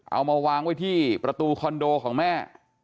เอามาวางไว้ที่ประตูคอนโดของแม่